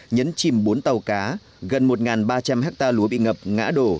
nhấn chìm bốn tàu cá gần một ba trăm linh hectare lúa bị ngập ngã đổ